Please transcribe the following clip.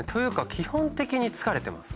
基本的に疲れてます。